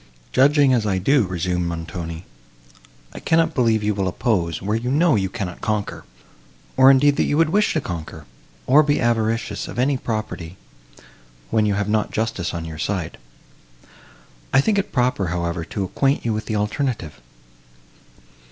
"Judging as I do," resumed Montoni, "I cannot believe you will oppose, where you know you cannot conquer, or, indeed, that you would wish to conquer, or be avaricious of any property, when you have not justice on your side. I think it proper, however, to acquaint you with the alternative.